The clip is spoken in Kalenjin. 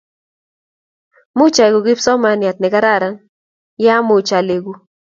Much aleku kipsomananiat ne kararan ye amach aleku.